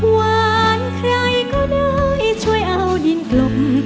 หวานใครก็ได้ช่วยเอาดินกลม